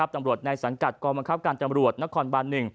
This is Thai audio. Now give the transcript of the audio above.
ตำรวจในสังกัดกองบังคับการตำรวจนครบาน๑